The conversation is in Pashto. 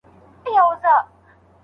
د پلار نصيحت مه هېروه.